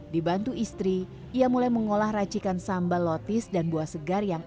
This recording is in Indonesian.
di bantu istri ia mulai mengolah racikan sambal lotis dan buah segar yang anggun